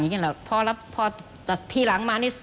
อย่างนี้แหละเพราะทีหลังมานี่